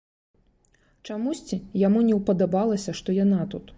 Чамусьці яму не ўпадабалася, што яна тут.